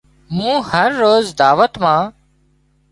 مُون هروز دعوت مان